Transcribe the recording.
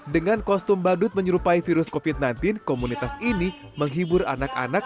dengan kostum badut menyerupai virus covid sembilan belas komunitas ini menghibur anak anak